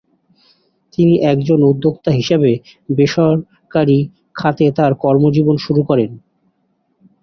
তিনি একজন উদ্যোক্তা হিসেবে বেসরকারি খাতে তাঁর কর্মজীবন শুরু করেন।